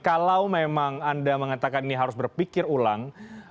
kalau memang anda mengatakan ini harus berpikir ulang